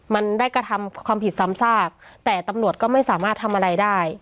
มันได้กระทำความผิดซ้ำซากแต่ตำรวจก็ไม่สามารถทำอะไรได้